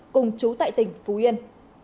cùng chú tại tỉnh phú yên